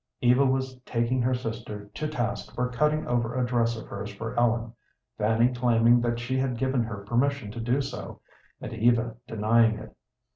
Eva was taking her sister to task for cutting over a dress of hers for Ellen, Fanny claiming that she had given her permission to do so, and Eva denying it.